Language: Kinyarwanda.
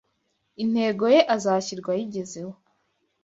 Integoye azashyirwa ayigezeho